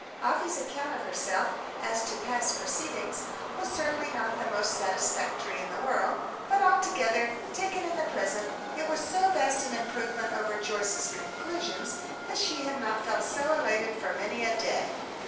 Afy's account of herself, as to past proceedings, was certainly not the most satisfactory in the world; but, altogether, taken in the present, it was so vast an improvement upon Joyce's conclusions, that she had not felt so elated for many a day.